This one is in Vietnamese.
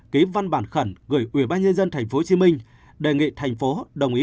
ký văn bản khẩn gửi ubnd tp hcm đề nghị tp hcm đồng ý